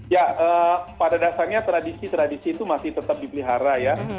ya pada dasarnya tradisi tradisi itu masih tetap dipelihara ya